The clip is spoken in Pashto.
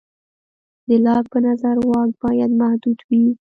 د لاک په نظر واک باید محدود وي.